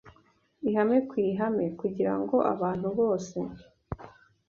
ihame ku ihame, kugira ngo abantu bose,